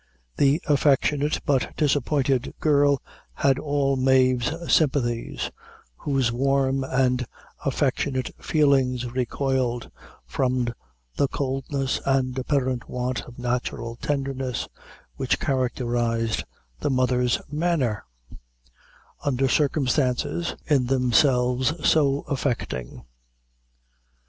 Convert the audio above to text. The affectionate but disappointed girl had all Mave's sympathies, whose warm and affectionate feelings recoiled from the coldness and apparent want of natural tenderness which characterized the mother's manner, under circumstances in themselves so affecting.